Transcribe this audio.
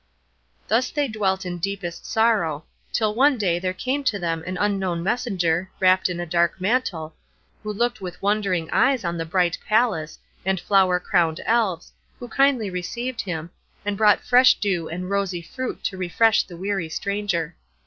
Thus they dwelt in deepest sorrow, till one day there came to them an unknown messenger, wrapped in a dark mantle, who looked with wondering eyes on the bright palace, and flower crowned elves, who kindly welcomed him, and brought fresh dew and rosy fruit to refresh the weary stranger.